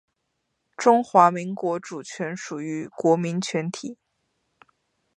中华民国主权属于国民全体